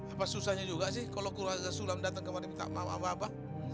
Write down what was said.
apa susahnya juga sih kalau keluarga sulam datang kemarin minta maaf apa apa